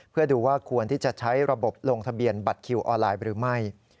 เพื่อดูว่าควรที่จะใช้ระบบลงทะเบียนบัตรคิวออนไลน์หรือไม่